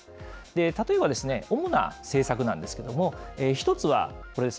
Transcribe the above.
例えば、主な施策なんですけれども、１つはこれです。